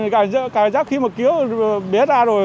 cả giác khi mà kéo bé ra rồi